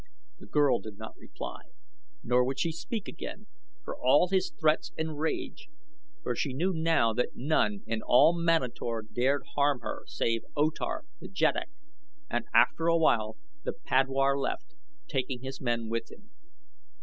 The girl did not reply, nor would she speak again, for all his threats and rage, for she knew now that none in all Manator dared harm her save O Tar, the jeddak, and after a while the padwar left, taking his men with him.